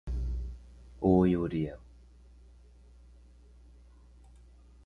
vara